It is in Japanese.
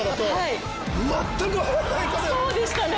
そうでしたね。